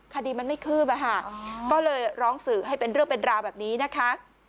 คดีมันไม่คืบอะค่ะก็เลยร้องสื่อให้เป็นเรื่องเป็นราวแบบนี้นะคะ